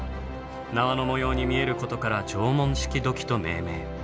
縄の模様に見えることから縄文式土器と命名。